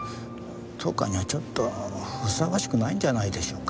当館にはちょっとふさわしくないんじゃないでしょうか？